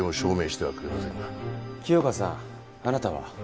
清川さんあなたは？